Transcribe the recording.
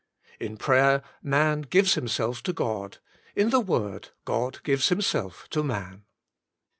In prayer man gives himself to God: in the Word God gives Himself to man.